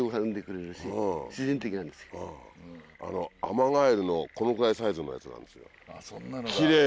アマガエルのこのくらいサイズのやつなんですよ。